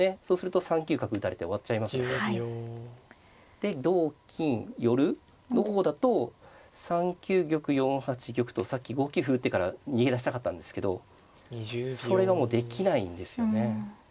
で同金寄の方だと３九玉４八玉と先５九歩打ってから逃げ出したかったんですけどそれがもうできないんですよね。